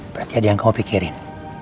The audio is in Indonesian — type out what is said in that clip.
berarti ada yang kau pikirin